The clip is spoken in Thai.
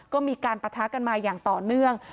ก็มีการปะทะกันมาอย่างต่อเนื่อง